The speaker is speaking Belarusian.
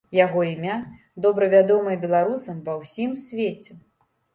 Яго імя добра вядомае беларусам ва ўсім свеце.